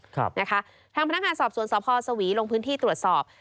ทางพนักงานสอบสวนสภสวีลงพื้นที่ตรวจสอบ